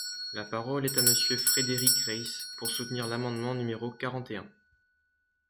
La parole est à Monsieur Frédéric Reiss, pour soutenir l’amendement numéro quarante et un.